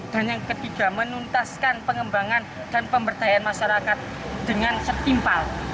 dan yang ketiga menuntaskan pengembangan dan pemberdayaan masyarakat dengan setimpal